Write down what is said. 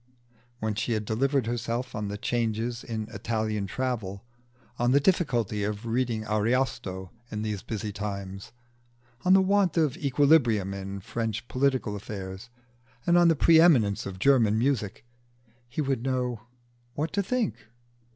When she had delivered herself on the changes in Italian travel, on the difficulty of reading Ariosto in these busy times, on the want of equilibrium in French political affairs, and on the pre eminence of German music, he would know what to think.